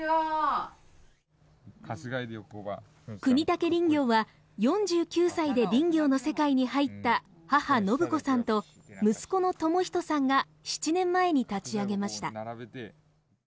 國武林業は４９歳で林業の世界に入った母信子さんと息子の智仁さんが７年前に立ち上げました。